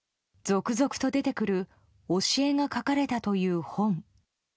続々と出てくる教えが書かれたという本。